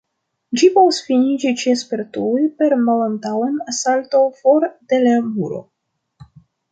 Ĝi povas finiĝi ĉe spertuloj per malantaŭen-salto for de la muro.